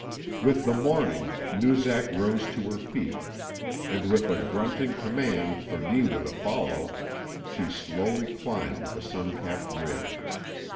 With the morning Noozak rose to her feet, and with a grunting command for Neewa to follow she slowly climbed the sun capped ridge.